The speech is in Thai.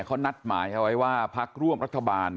เขานัดหมายเอาไว้ว่าพักร่วมรัฐบาล